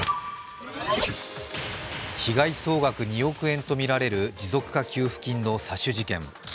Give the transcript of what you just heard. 被害総額２億円とみられる持続化給付金の詐取事件。